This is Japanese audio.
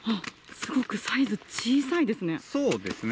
すごくサイズ、小さいですね。